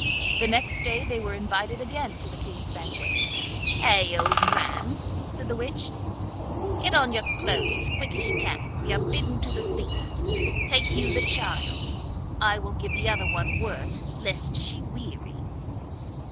The next day they were invited again to the King's banquet. 'Hey! old man,' said the witch, 'get on your clothes as quick as you can; we are bidden to the feast. Take you the child; I will give the other one work, lest she weary.